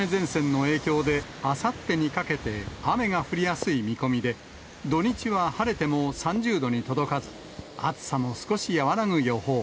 秋雨前線の影響で、あさってにかけて雨が降りやすい見込みで、土日は晴れても３０度に届かず、暑さも少し和らぐ予報。